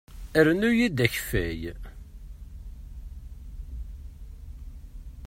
Rnu-iyi-d akeffay!